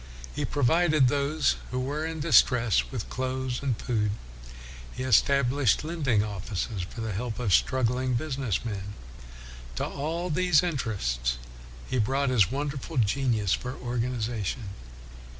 He provided those who were in distress with clothes and food. He estab lished lending offices for the help of struggling business men. To all these in terests he brought his wonderful genius for organization.